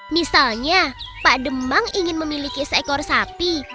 misalnya pak demang ingin memiliki seekor sapi